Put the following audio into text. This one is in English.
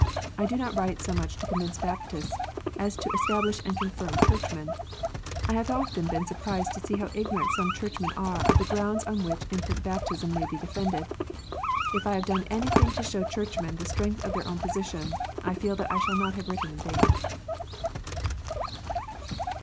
I do not write so much to convince Baptists, as to establish and confirm Churchmen. I have often been surprised to see how ignorant some Church men are of the grounds on which infant baptism may be defended. If I have done anything to show Churchmen the strength of their own position, I feel that I shall not have written in vain.